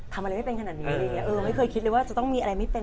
ทำอะไรไม่เป็นขนาดนี้ไม่เคยคิดเลยว่าจะต้องมีอะไรไม่เป็น